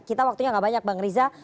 kita waktunya gak banyak bang riza